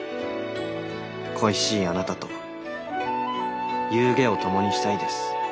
恋しいあなたと夕餉を共にしたいです。